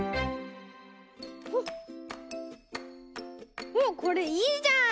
おっこれいいじゃん。